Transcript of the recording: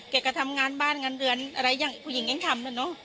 แกก็ทำงานบ้านเงินเดือนอะไรอย่างผู้หญิงยังทำนะเนอะ